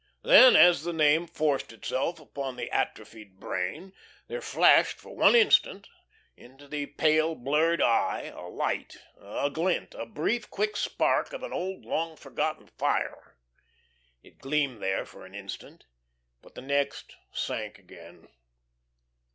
Then, as the name forced itself upon the atrophied brain, there flashed, for one instant, into the pale, blurred eye, a light, a glint, a brief, quick spark of an old, long forgotten fire. It gleamed there an instant, but the next sank again.